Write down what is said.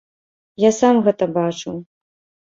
Я сам гэта бачыў.